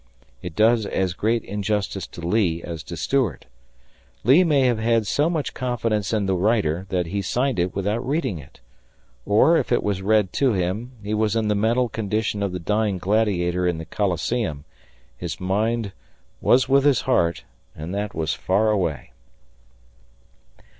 It does as great injustice to Lee as to Stuart. Lee may have had so much confidence in the writer that he signed it without reading it, or, if it was read to him, he was in the mental condition of the dying gladiator in the Coliseum his mind "Was with his heart, and that was far away."